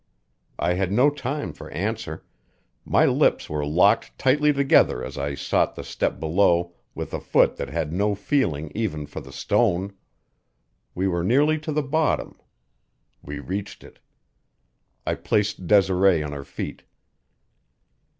I had no time for answer; my lips were locked tightly together as I sought the step below with a foot that had no feeling even for the stone. We were nearly to the bottom; we reached it. I placed Desiree on her feet.